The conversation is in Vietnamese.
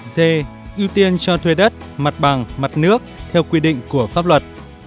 d ưu tiên cho thuê đất mặt bằng mặt nước theo quy định của pháp luật